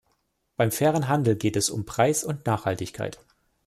Beim fairen Handel geht es um Preis und Nachhaltigkeit.